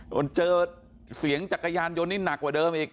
จนเจอเสียงจักรยานยนต์นี่หนักกว่าเดิมอีก